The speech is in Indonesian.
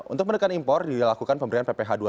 untuk mendekat impor dilakukan pemberian pph dua puluh dua